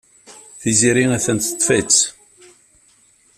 Tiziri attan teḍḍef-itt.